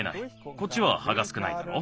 こっちははがすくないだろう？